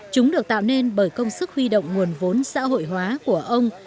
chúng được tạo nên bởi công sức huy động nguồn vốn xã hội hóa của ông